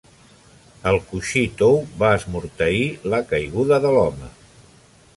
El coixí tou va esmorteir la caiguda de l'home.